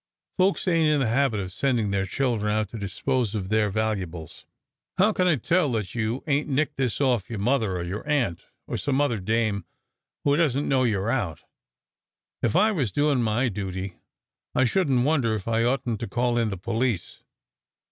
Folks ain t in the habit of sending their children out to dispose o their valuables. How can I tell that you ain t nicked this off your mother or your aunt, or some other dame who doesn t know you re out? If I was doin my dooty, I shouldn t wonder if I oughtn t to call in the police!"